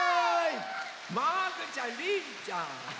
もぐちゃんりんちゃん！